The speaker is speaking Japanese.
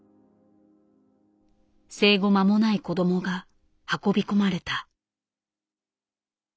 生後間もない子どもが運び込まれた。